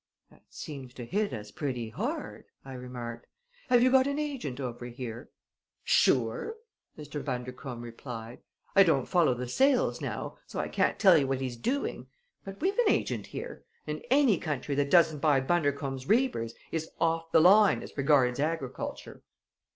"That seems to hit us pretty hard," I remarked. "Have you got an agent over here?" "Sure!" Mr. Bundercombe replied. "I don't follow the sales now, so I can't tell you what he's doing; but we've an agent here and any country that doesn't buy Bundercombe's Reapers is off the line as regards agriculture!"